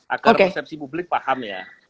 akar persepsi publik paham ya